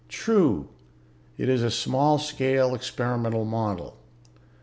"True, it is a small scale experimental model.